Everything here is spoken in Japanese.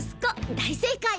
大正解！